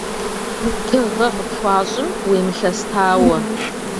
Тыгъэ къыпхуащӏым уемылъэстауэ.